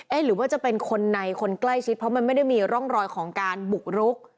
หรือว่าจะเป็นคนในคนใกล้ชิดเพราะมันไม่ได้มีร่องรอยของการบุกรุก